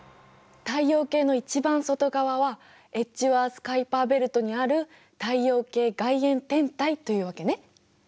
太陽系の一番外側はエッジワース・カイパーベルトにある太陽系外縁天体というわけね。